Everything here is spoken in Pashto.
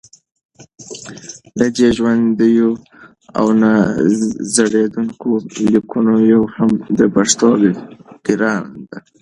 له دې ژوندیو او نه زړېدونکو لیکونو یوه هم د پښتو ګرانه ده